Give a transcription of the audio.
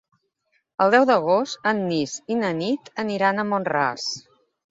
El deu d'agost en Genís i na Nit aniran a Mont-ras.